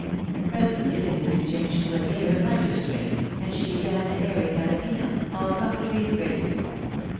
Presently the music changed to a gayer, lighter strain, and she began an airy cavatina, all coquetry and grace.